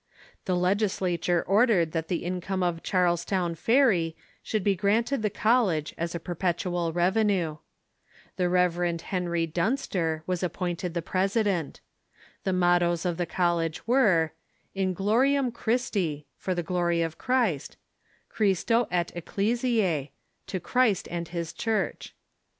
The legislature ordered that the income of Charlestown ferry should be granted the college as a perpetual revenue. The Rev. Henry Dunster was appointed the president. The mot toes of the college were : In Gloriam Christi (" For the Glory of Christ") ; Christo et Ecclesiae (" To Christ and his Church